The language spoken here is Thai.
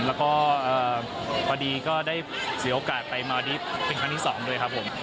แล้วก็พอดีก็ได้เสียโอกาสไปมาดีฟเป็นครั้งที่๒ด้วยครับผม